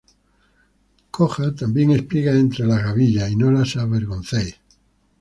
Coja también espigas entre las gavillas, y no la avergoncéis;